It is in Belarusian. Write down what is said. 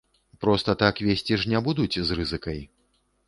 Проста так везці ж не будуць з рызыкай.